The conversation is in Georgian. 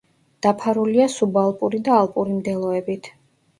დაფარულია სუბალპური და ალპური მდელოებით.